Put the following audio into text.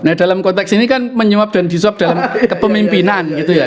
nah dalam konteks ini kan menyuap dan disop dalam kepemimpinan gitu ya